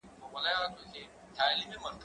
د کتابتون د کار مرسته د مور له خوا کيږي!